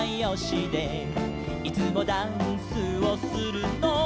「いつもダンスをするのは」